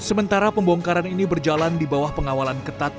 sementara pembongkaran ini berjalan di bawah pengawalan ketat